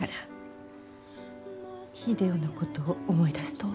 秀夫のことを思い出すと。